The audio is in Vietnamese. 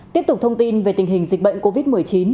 tiếp tục thông tin về tình hình dịch bệnh covid một mươi chín